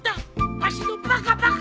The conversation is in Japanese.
わしのバカバカ！